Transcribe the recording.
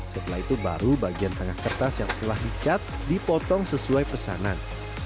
setelah itu baru bagian tengah kertas yang telah dicat dipotong sesuai pesanan